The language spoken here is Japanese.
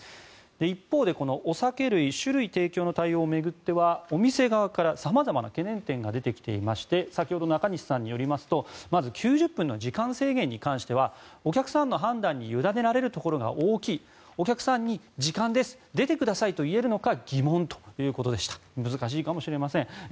一方で、このお酒類提供の対応を巡ってはお店側から様々な懸念点が出てきまして先ほどの中西さんによりますとまず９０分の時間制限に関してはお客さんの判断に委ねられるところが大きいお客さんに、時間です出てくださいと言えるのか疑問ということでした。